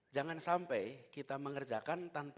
jangan sampai kita mengerjakan tanpa